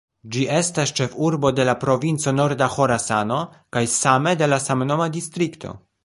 Ĝi estas ĉefurbo de la Provinco Norda Ĥorasano kaj same de la samnoma distrikto.